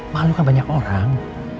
malukan banyak orang